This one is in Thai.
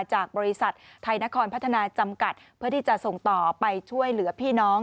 จากบริษัทไทยนครพัฒนาจำกัดเพื่อที่จะส่งต่อไปช่วยเหลือพี่น้อง